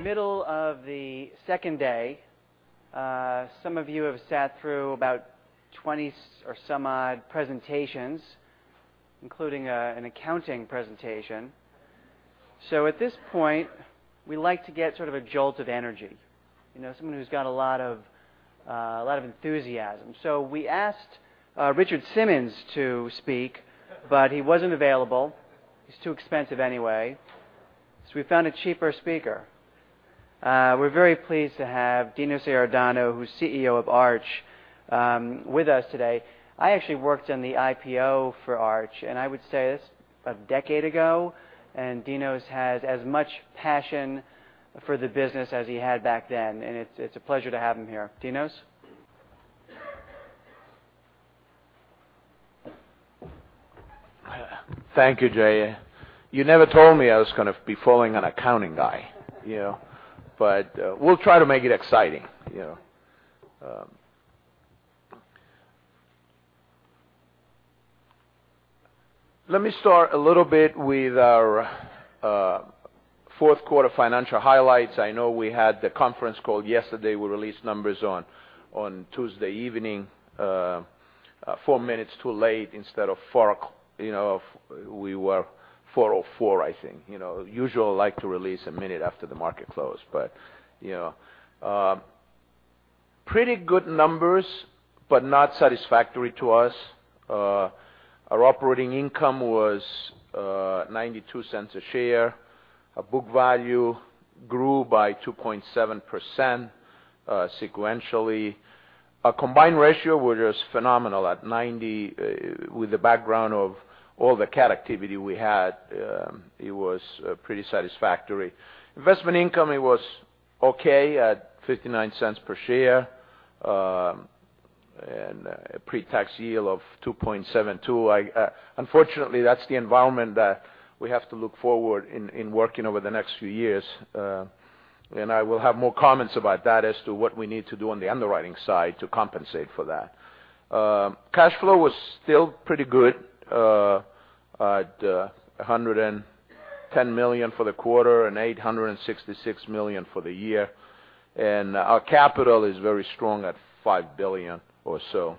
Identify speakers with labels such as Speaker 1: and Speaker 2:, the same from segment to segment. Speaker 1: We're in the middle of the second day. Some of you have sat through about 20 or some odd presentations, including an accounting presentation. At this point, we like to get sort of a jolt of energy. Someone who's got a lot of enthusiasm. We asked Richard Simmons to speak, but he wasn't available. He's too expensive anyway. We found a cheaper speaker. We're very pleased to have Dinos Iordanou, who's CEO of Arch, with us today. I actually worked on the IPO for Arch, and I would say that's a decade ago, and Dinos has as much passion for the business as he had back then, and it's a pleasure to have him here. Dinos?
Speaker 2: Thank you, Jay. You never told me I was going to be following an accounting guy. We'll try to make it exciting. Let me start a little with our fourth quarter financial highlights. I know we had the conference call yesterday. We released numbers on Tuesday evening, four minutes too late instead of 4. We were 4:04, I think. Usually like to release a minute after the market close. Pretty good numbers, but not satisfactory to us. Our operating income was $0.92 a share. Our book value grew by 2.7% sequentially. Our combined ratio was just phenomenal at 90 with the background of all the cat activity we had. It was pretty satisfactory. Investment income, it was okay at $0.59 per share. A pre-tax yield of 2.72. Unfortunately, that's the environment that we have to look forward in working over the next few years. I will have more comments about that as to what we need to do on the underwriting side to compensate for that. Cash flow was still pretty good at $110 million for the quarter and $866 million for the year. Our capital is very strong at $5 billion or so.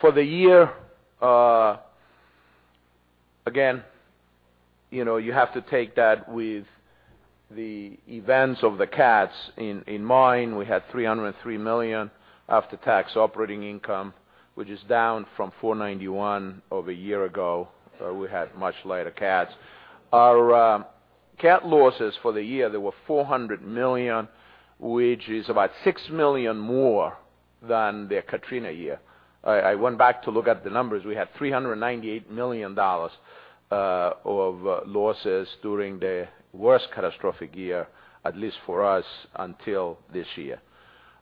Speaker 2: For the year, again, you have to take that with the events of the cats in mind. We had $303 million after-tax operating income, which is down from $491 over a year ago, where we had much lighter cats. Our cat losses for the year, there were $400 million, which is about $6 million more than the Katrina year. I went back to look at the numbers. We had $398 million of losses during the worst catastrophic year, at least for us, until this year.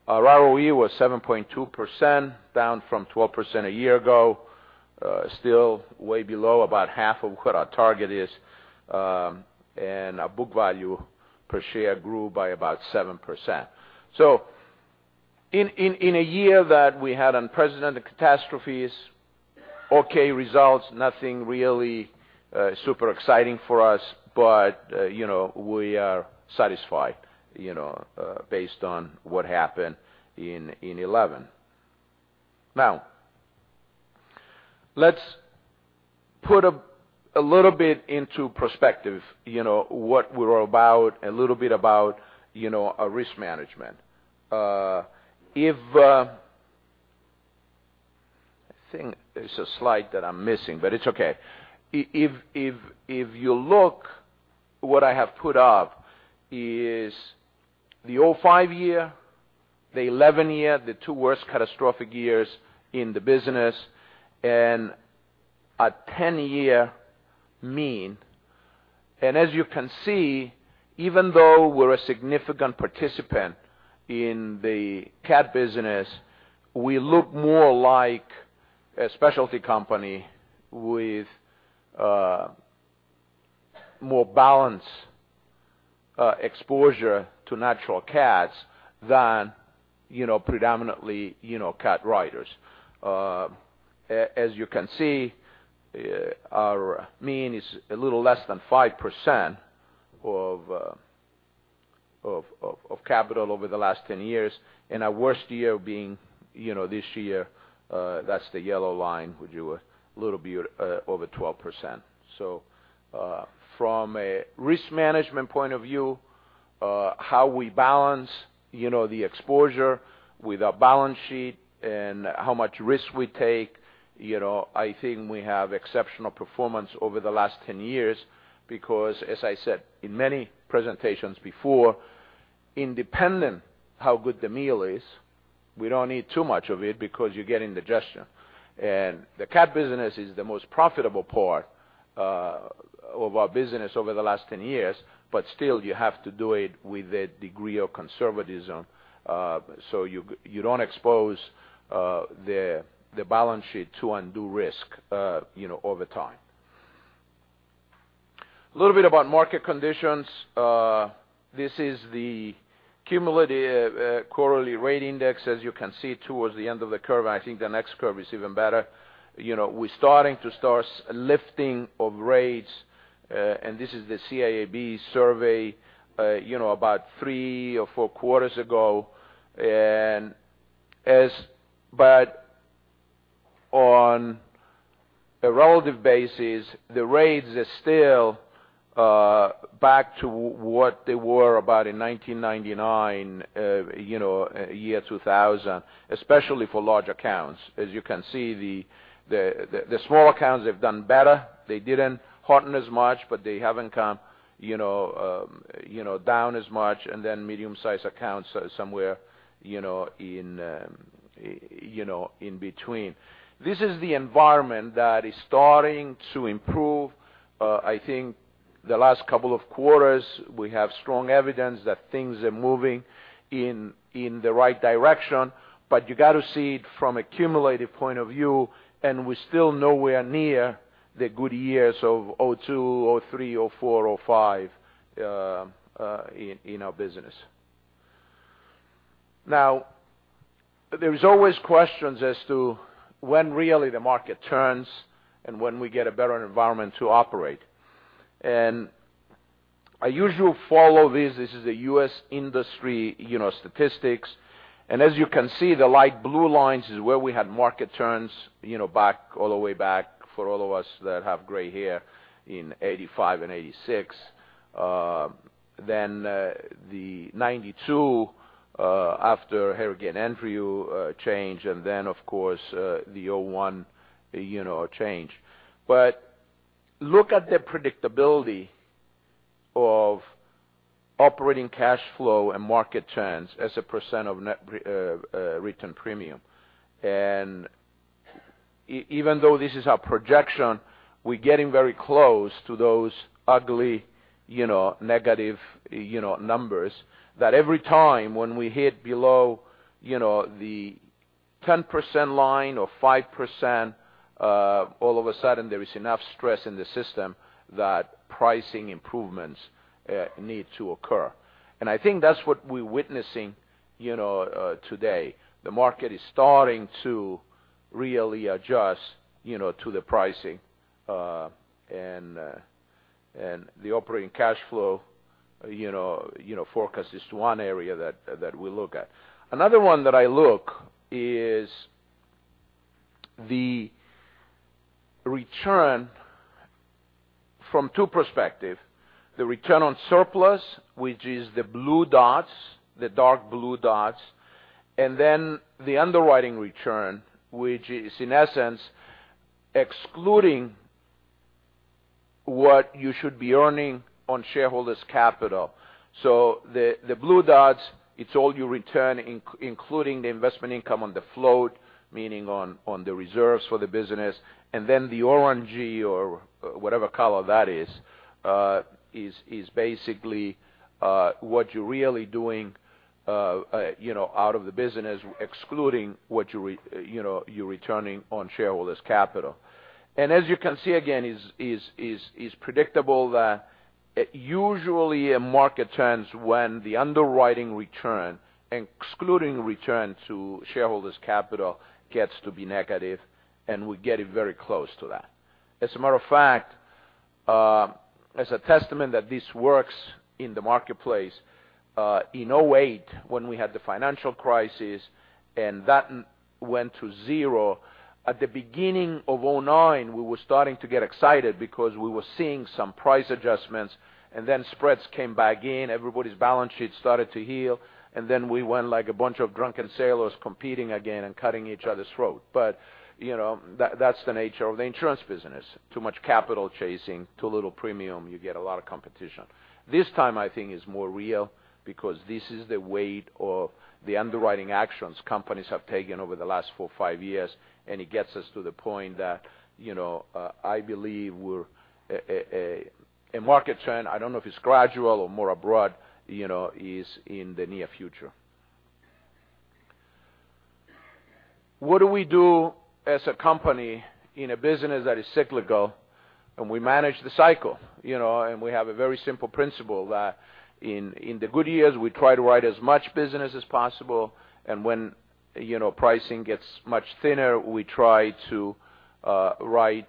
Speaker 2: Our ROE was 7.2%, down from 12% a year ago. Still way below about half of what our target is. Our book value per share grew by about 7%. In a year that we had unprecedented catastrophes, okay results, nothing really super exciting for us, but we are satisfied, based on what happened in 2011. Now, let's put a little bit into perspective, what we're about, a little bit about our risk management. I think there's a slide that I'm missing, but it's okay. If you look, what I have put up is the 2005 year, the 2011 year, the two worst catastrophic years in the business, and a 10-year mean. As you can see, even though we're a significant participant in the cat business, we look more like a specialty company with more balanced exposure to natural cats than predominantly cat writers. As you can see, our mean is a little less than 5% of capital over the last 10 years, and our worst year being this year, that's the yellow line, we do a little bit over 12%. From a risk management point of view, how we balance the exposure with our balance sheet and how much risk we take, I think we have exceptional performance over the last 10 years because as I said in many presentations before, independent how good the meal is, we don't eat too much of it because you get indigestion. The cat business is the most profitable part of our business over the last 10 years, but still you have to do it with a degree of conservatism, so you don't expose the balance sheet to undue risk over time. A little bit about market conditions. This is the cumulative quarterly rate index, as you can see towards the end of the curve. I think the next curve is even better. We're starting to start lifting of rates, this is the CIAB survey about three or four quarters ago. On a relative basis, the rates are still back to what they were about in 1999, year 2000, especially for large accounts. As you can see, the small accounts have done better. They didn't harden as much, but they haven't come down as much. Then medium-sized accounts are somewhere in between. This is the environment that is starting to improve. I think the last couple of quarters, we have strong evidence that things are moving in the right direction, but you got to see it from a cumulative point of view, and we're still nowhere near the good years of 2002, 2003, 2004, 2005 in our business. There's always questions as to when really the market turns and when we get a better environment to operate. I usually follow this. This is a U.S. industry statistics. As you can see, the light blue lines is where we had market turns all the way back, for all of us that have gray hair, in 1985 and 1986. Then the 1992, after Hurricane Andrew change, and then of course, the 2001 change. Look at the predictability of operating cash flow and market trends as a percent of net written premium. Even though this is our projection, we're getting very close to those ugly negative numbers, that every time when we hit below the 10% line or 5%, all of a sudden there is enough stress in the system that pricing improvements need to occur. I think that's what we're witnessing today. The market is starting to really adjust to the pricing. The operating cash flow forecast is one area that we look at. Another one that I look is the return from two perspective, the return on surplus, which is the blue dots, the dark blue dots, and then the underwriting return, which is in essence excluding what you should be earning on shareholders' capital. The blue dots, it's all your return, including the investment income on the float, meaning on the reserves for the business. The orangey or whatever color that is basically what you're really doing out of the business, excluding what you're returning on shareholders' capital. As you can see again, it's predictable that usually a market turns when the underwriting return, excluding return to shareholders' capital, gets to be negative, and we're getting very close to that. As a matter of fact, as a testament that this works in the marketplace, in 2008 when we had the financial crisis and that went to zero, at the beginning of 2009, we were starting to get excited because we were seeing some price adjustments, spreads came back in, everybody's balance sheet started to heal, we went like a bunch of drunken sailors competing again and cutting each other's throat. That's the nature of the insurance business. Too much capital chasing, too little premium, you get a lot of competition. This time, I think it's more real because this is the weight of the underwriting actions companies have taken over the last four, five years, it gets us to the point that I believe a market trend, I don't know if it's gradual or more abroad, is in the near future. What do we do as a company in a business that is cyclical? We manage the cycle, we have a very simple principle that in the good years, we try to write as much business as possible, when pricing gets much thinner, we try to write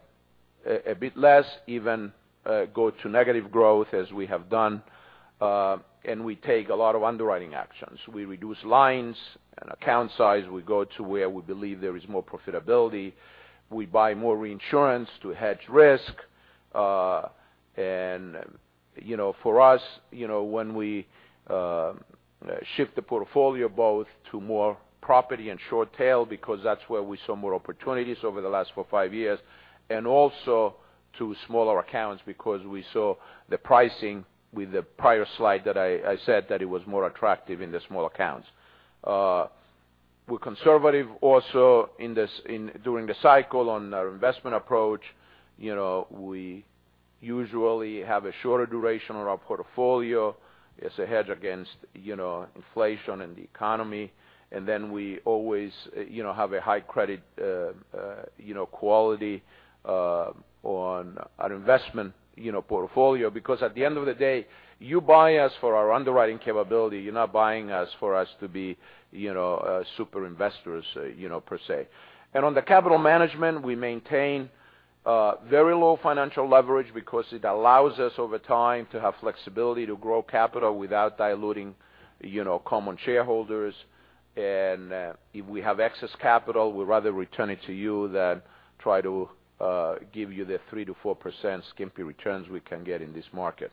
Speaker 2: a bit less, even go to negative growth as we have done, we take a lot of underwriting actions. We reduce lines and account size. We go to where we believe there is more profitability. We buy more reinsurance to hedge risk. For us, when we shift the portfolio both to more property and short tail because that's where we saw more opportunities over the last four, five years, also to smaller accounts because we saw the pricing with the prior slide that I said that it was more attractive in the small accounts. We're conservative also during the cycle on our investment approach. Usually have a shorter duration on our portfolio. It's a hedge against inflation and the economy. We always have a high credit quality on an investment portfolio, because at the end of the day, you buy us for our underwriting capability. You're not buying us for us to be super investors, per se. On the capital management, we maintain very low financial leverage because it allows us over time to have flexibility to grow capital without diluting common shareholders. If we have excess capital, we'd rather return it to you than try to give you the 3%-4% skimpy returns we can get in this market.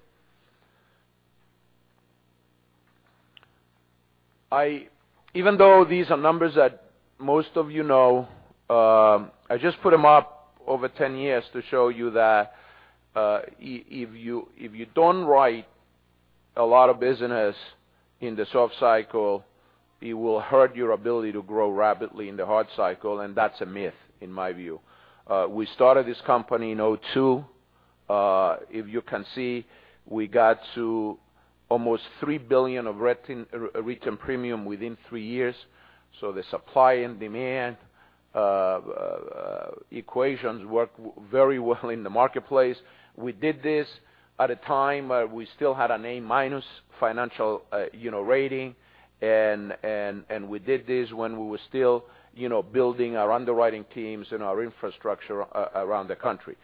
Speaker 2: Even though these are numbers that most of you know, I just put them up over 10 years to show you that if you don't write a lot of business in the soft cycle, it will hurt your ability to grow rapidly in the hard cycle, and that's a myth, in my view. We started this company in 2002. If you can see, we got to almost $3 billion of written premium within three years. The supply and demand equations work very well in the marketplace. We did this at a time where we still had an A-minus financial rating, and we did this when we were still building our underwriting teams and our infrastructure around the country.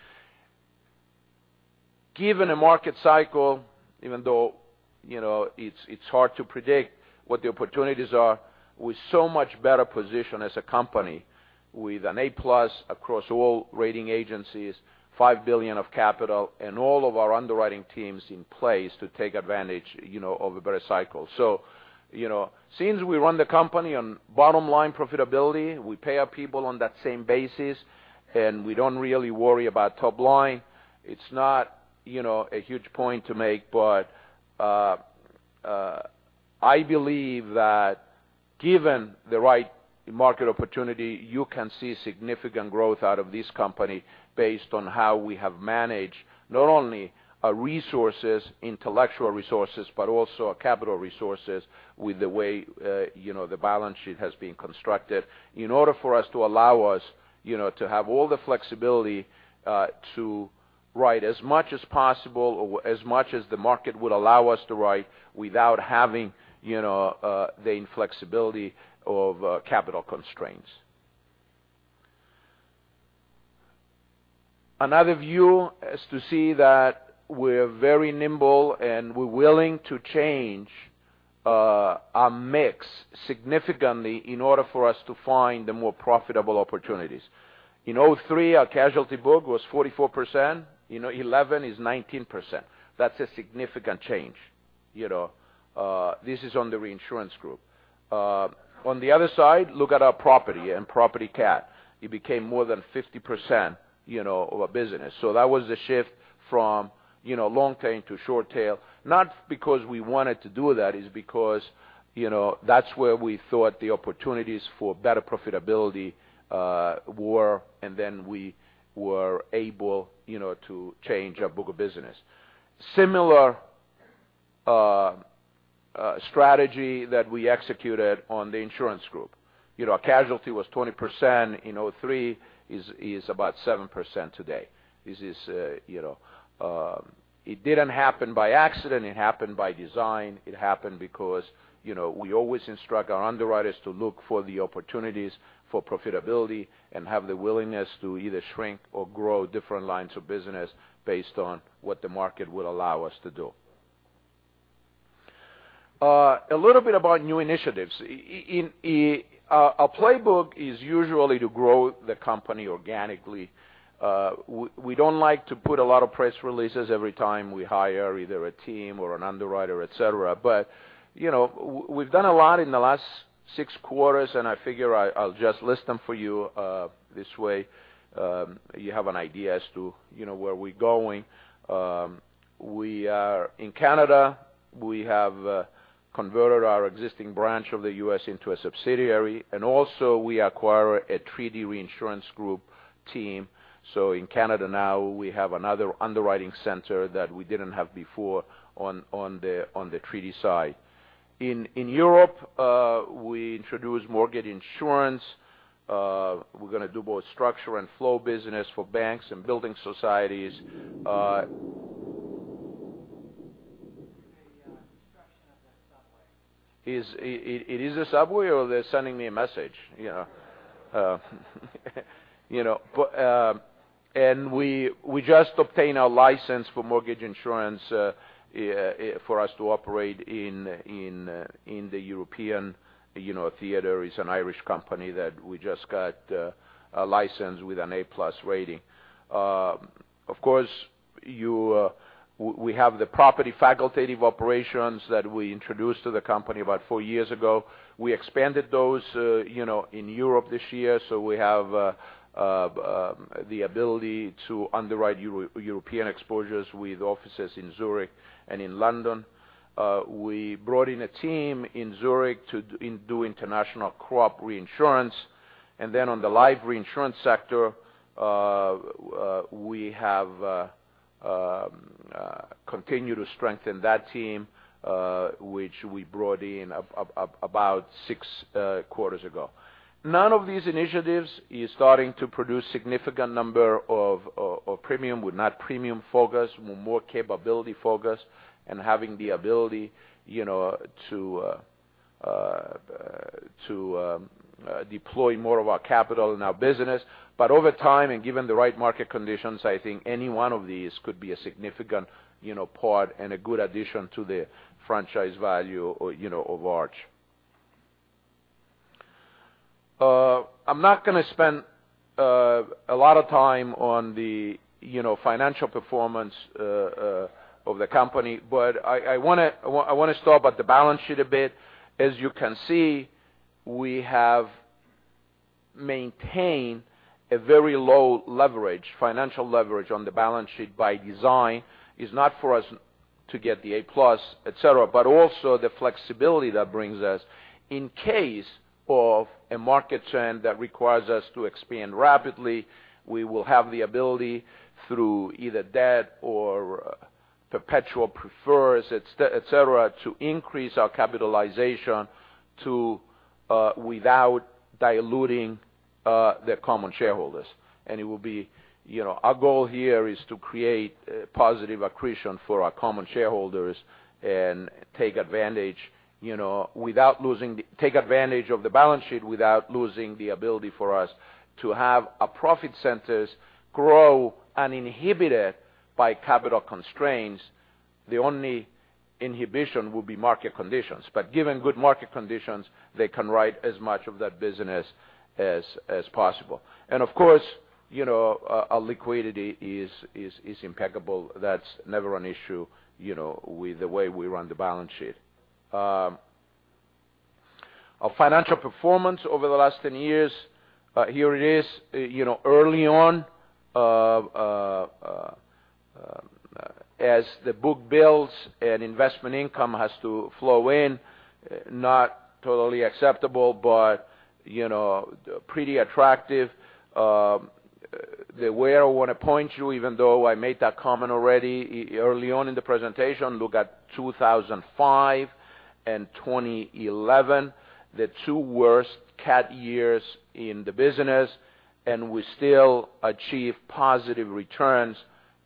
Speaker 2: Given a market cycle, even though it's hard to predict what the opportunities are. We're so much better positioned as a company with an A+ across all rating agencies, $5 billion of capital, and all of our underwriting teams in place to take advantage of a better cycle. Since we run the company on bottom line profitability, we pay our people on that same basis, and we don't really worry about top line. It's not a huge point to make, but I believe that given the right market opportunity, you can see significant growth out of this company based on how we have managed not only our resources, intellectual resources, but also our capital resources with the way the balance sheet has been constructed in order for us to allow us to have all the flexibility to write as much as possible or as much as the market would allow us to write without having the inflexibility of capital constraints. Another view is to see that we're very nimble and we're willing to change our mix significantly in order for us to find the more profitable opportunities. In 2003, our casualty book was 44%. 2011 is 19%. That's a significant change. This is on the reinsurance group. On the other side, look at our property and property cat. It became more than 50% of our business. That was the shift from long tail to short tail. Not because we wanted to do that, it's because that's where we thought the opportunities for better profitability were, and then we were able to change our book of business. Similar strategy that we executed on the insurance group. Our casualty was 20% in 2003, is about 7% today. It didn't happen by accident. It happened by design. It happened because we always instruct our underwriters to look for the opportunities for profitability and have the willingness to either shrink or grow different lines of business based on what the market will allow us to do. A little bit about new initiatives. Our playbook is usually to grow the company organically. We don't like to put a lot of press releases every time we hire either a team or an underwriter, et cetera. We've done a lot in the last six quarters, and I figure I'll just list them for you this way. You have an idea as to where we're going. In Canada, we have converted our existing branch of the U.S. into a subsidiary, and also we acquired a treaty reinsurance group team. In Canada now we have another underwriting center that we didn't have before on the treaty side. In Europe, we introduced mortgage insurance. We're going to do both structure and flow business for banks and building societies.
Speaker 1: The construction of that subway.
Speaker 2: It is a subway or they're sending me a message? We just obtained a license for mortgage insurance for us to operate in the European theater. It's an Irish company that we just got a license with an A+ rating. Of course, we have the property facultative operations that we introduced to the company about four years ago. We expanded those in Europe this year, so we have the ability to underwrite European exposures with offices in Zurich and in London. We brought in a team in Zurich to do international crop reinsurance, then on the life reinsurance sector we have a Continue to strengthen that team, which we brought in about six quarters ago. None of these initiatives is starting to produce significant number of premium. We're not premium focused. We're more capability focused and having the ability to deploy more of our capital in our business. Over time, and given the right market conditions, I think any one of these could be a significant part and a good addition to the franchise value of Arch. I'm not going to spend a lot of time on the financial performance of the company, but I want to talk about the balance sheet a bit. As you can see, we have maintained a very low leverage, financial leverage on the balance sheet by design. Is not for us to get the A-plus, et cetera, but also the flexibility that brings us in case of a market trend that requires us to expand rapidly, we will have the ability through either debt or perpetual preferreds, et cetera, to increase our capitalization without diluting the common shareholders. Our goal here is to create positive accretion for our common shareholders and take advantage of the balance sheet without losing the ability for us to have our profit centers grow uninhibited by capital constraints. The only inhibition will be market conditions. Given good market conditions, they can write as much of that business as possible. Of course, our liquidity is impeccable. That's never an issue with the way we run the balance sheet. Our financial performance over the last 10 years, here it is. Early on as the book builds and investment income has to flow in, not totally acceptable, but pretty attractive. Where I want to point you, even though I made that comment already early on in the presentation, look at 2005 and 2011, the two worst cat years in the business, and we still achieved positive returns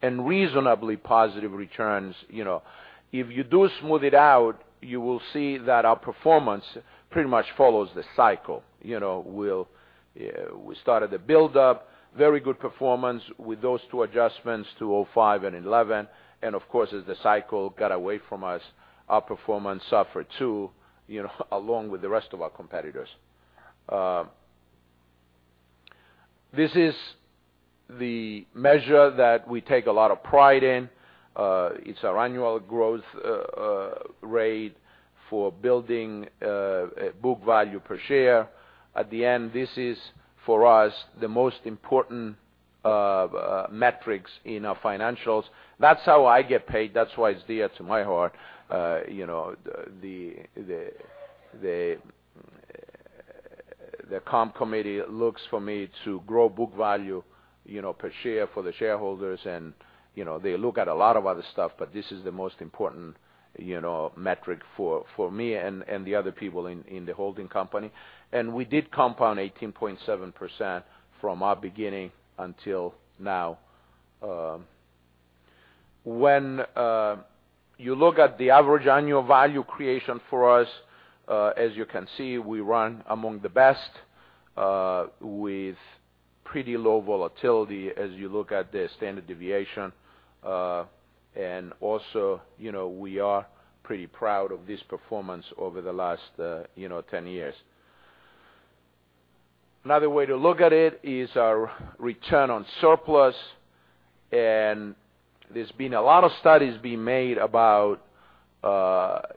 Speaker 2: and reasonably positive returns. If you do smooth it out, you will see that our performance pretty much follows the cycle. We started the buildup, very good performance with those two adjustments, 2005 and 2011. Of course, as the cycle got away from us, our performance suffered too, along with the rest of our competitors. This is the measure that we take a lot of pride in. It's our annual growth rate for building book value per share. At the end, this is, for us, the most important metrics in our financials. That's how I get paid. That's why it's dear to my heart. The comp committee looks for me to grow book value per share for the shareholders, they look at a lot of other stuff, but this is the most important metric for me and the other people in the holding company. We did compound 18.7% from our beginning until now. When you look at the average annual value creation for us, as you can see, we run among the best with pretty low volatility as you look at the standard deviation. Also, we are pretty proud of this performance over the last 10 years. Another way to look at it is our return on surplus. There's been a lot of studies being made about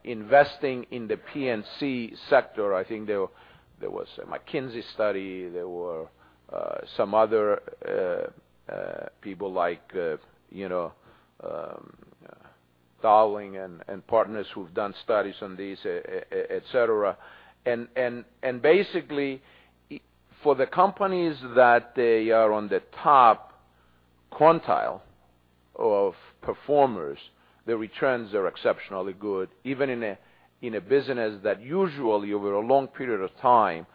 Speaker 2: investing in the P&C sector. I think there was a McKinsey study. There were some other people like Dowling & Partners who've done studies on this, et cetera. Basically, for the companies that they are on the top quintile of performers, their returns are exceptionally good, even in a business that usually over a long period of time,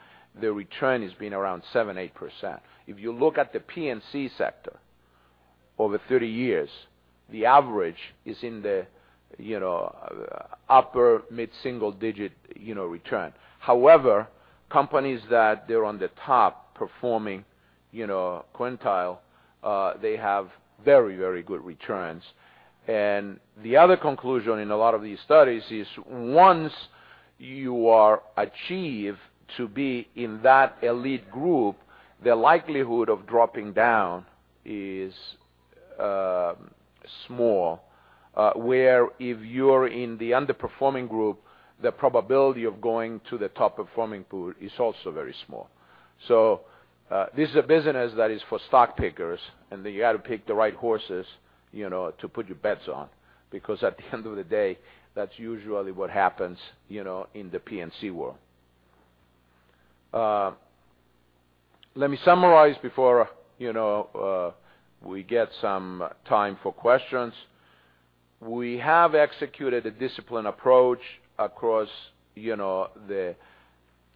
Speaker 2: the return has been around 7%-8%. If you look at the P&C sector over 30 years, the average is in the upper mid-single digit return. However, companies that they're on the top performing quintile, they have very good returns. The other conclusion in a lot of these studies is once you are achieved to be in that elite group, the likelihood of dropping down is small. Where if you're in the underperforming group, the probability of going to the top performing pool is also very small. This is a business that is for stock pickers, and you got to pick the right horses to put your bets on because at the end of the day, that's usually what happens in the P&C world. Let me summarize before we get some time for questions. We have executed a disciplined approach across the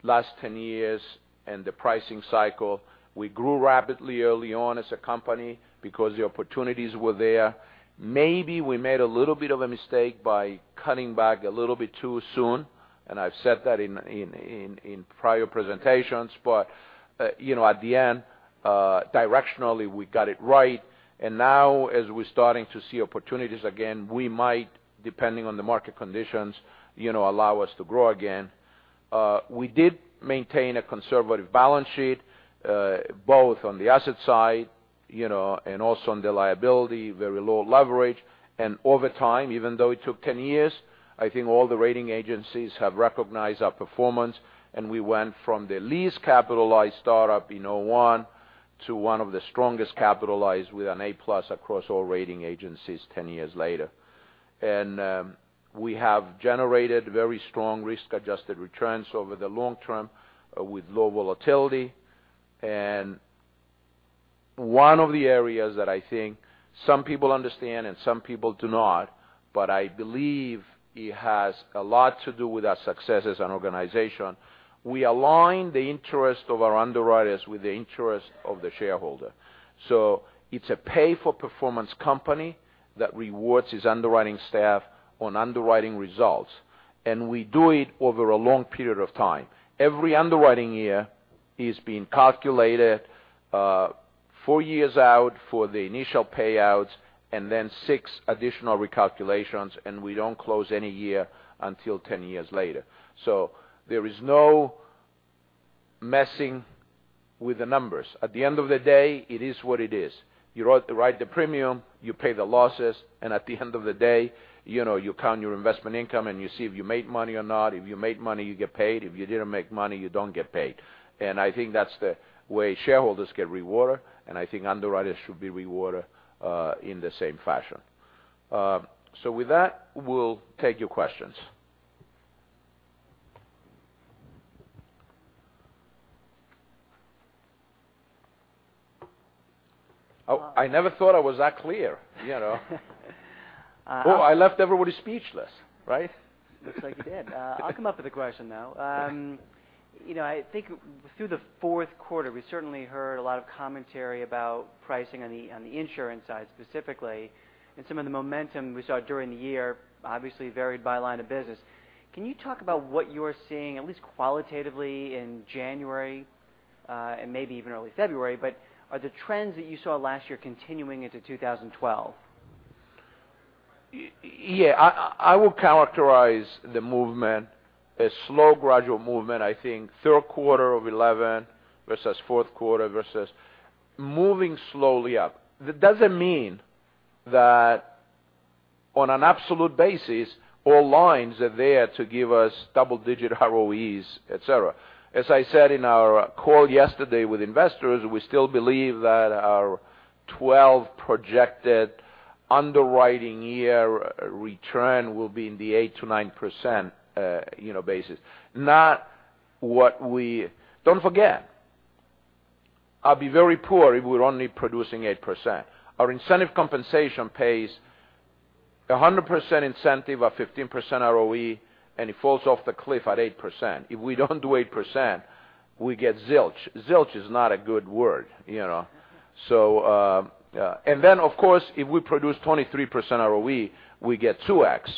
Speaker 2: last 10 years and the pricing cycle. We grew rapidly early on as a company because the opportunities were there. Maybe we made a little bit of a mistake by cutting back a little bit too soon, I've said that in prior presentations. At the end, directionally, we got it right. Now as we're starting to see opportunities again, we might, depending on the market conditions, allow us to grow again. We did maintain a conservative balance sheet, both on the asset side, and also on the liability, very low leverage. Over time, even though it took 10 years, I think all the rating agencies have recognized our performance, and we went from the least capitalized startup in 2001 to one of the strongest capitalized with an A+ across all rating agencies 10 years later. We have generated very strong risk-adjusted returns over the long term with low volatility. One of the areas that I think some people understand and some people do not, I believe it has a lot to do with our success as an organization. We align the interest of our underwriters with the interest of the shareholder. It's a pay-for-performance company that rewards its underwriting staff on underwriting results. We do it over a long period of time. Every underwriting year is being calculated four years out for the initial payouts and then six additional recalculations, and we don't close any year until 10 years later. There is no messing with the numbers. At the end of the day, it is what it is. You write the premium, you pay the losses, and at the end of the day, you count your investment income and you see if you made money or not. If you made money, you get paid. If you didn't make money, you don't get paid. I think that's the way shareholders get rewarded, and I think underwriters should be rewarded in the same fashion. With that, we'll take your questions. I never thought I was that clear. I left everybody speechless. Right?
Speaker 1: Looks like you did. I'll come up with a question now. I think through the fourth quarter, we certainly heard a lot of commentary about pricing on the insurance side specifically, and some of the momentum we saw during the year obviously varied by line of business. Can you talk about what you are seeing, at least qualitatively in January, and maybe even early February, are the trends that you saw last year continuing into 2012?
Speaker 2: Yeah. I will characterize the movement a slow gradual movement. I think third quarter of 2011 versus fourth quarter versus moving slowly up. That doesn't mean that on an absolute basis all lines are there to give us double-digit ROEs, et cetera. As I said in our call yesterday with investors, we still believe that our 2012 projected underwriting year return will be in the 8%-9% basis. Don't forget, I'll be very poor if we're only producing 8%. Our incentive compensation pays 100% incentive of 15% ROE, and it falls off the cliff at 8%. If we don't do 8%, we get zilch. Zilch is not a good word. Then, of course, if we produce 23% ROE, we get 2x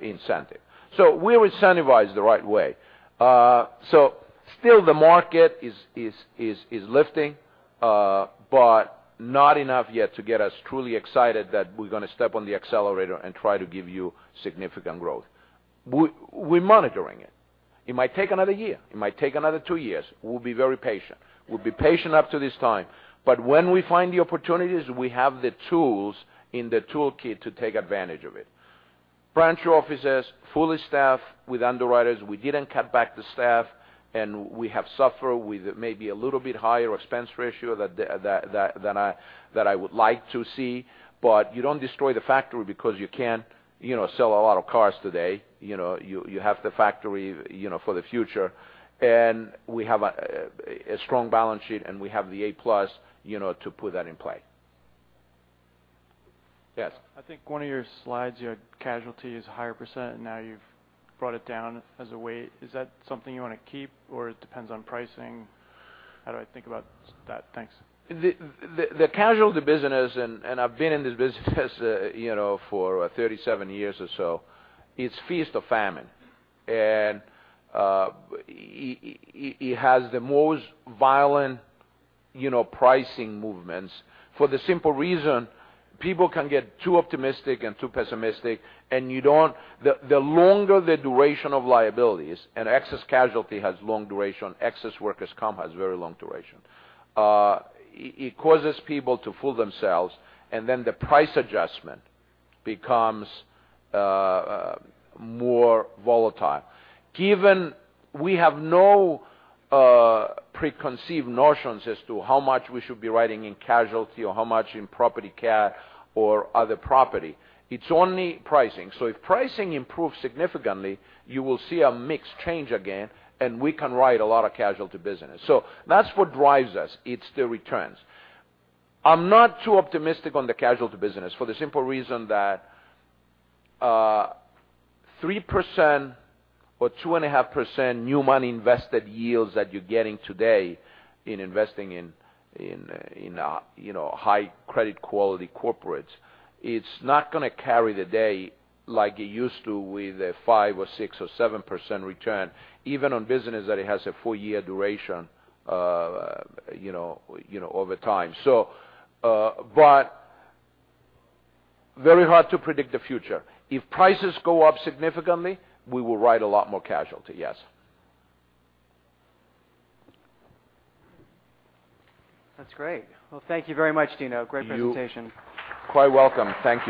Speaker 2: incentive. We're incentivized the right way. Still the market is lifting, not enough yet to get us truly excited that we're going to step on the accelerator and try to give you significant growth. We're monitoring it. It might take another one year, it might take another two years. We'll be very patient. We'll be patient up to this time. When we find the opportunities, we have the tools in the toolkit to take advantage of it. Branch offices, fully staffed with underwriters. We didn't cut back the staff, we have suffered with maybe a little bit higher expense ratio than I would like to see. You don't destroy the factory because you can't sell a lot of cars today. You have the factory for the future. We have a strong balance sheet, we have the A+ to put that in play. Yes.
Speaker 1: I think one of your slide one, your casualty is a higher %, now you've brought it down as a weight. Is that something you want to keep, it depends on pricing? How do I think about that? Thanks.
Speaker 2: The casualty business, I've been in this business for 37 years or so, it's feast or famine. It has the most violent pricing movements for the simple reason people can get too optimistic and too pessimistic, the longer the duration of liabilities, excess casualty has long duration, excess workers' comp has very long duration. It causes people to fool themselves, the price adjustment becomes more volatile. Given we have no preconceived notions as to how much we should be writing in casualty or how much in property cat or other property. It's only pricing. If pricing improves significantly, you will see a mix change again, we can write a lot of casualty business. That's what drives us. It's the returns. I'm not too optimistic on the casualty business for the simple reason that 3% or 2.5% new money invested yields that you're getting today in investing in high credit quality corporates. It's not going to carry the day like it used to with a 5% or 6% or 7% return, even on business that it has a four-year duration over time. Very hard to predict the future. If prices go up significantly, we will write a lot more casualty, yes.
Speaker 1: That's great. Well, thank you very much, Dinos. Great presentation.
Speaker 2: You are quite welcome. Thank you.